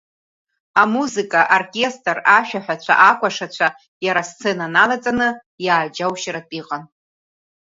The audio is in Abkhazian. Амузыка, аоркестр, ашәаҳәацәа, акәашацәа, иара асцена налаҵаны, иааџьаушьартә иҟан.